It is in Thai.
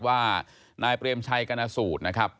ว่านายเปรมชัยกรณสูตรนะครับ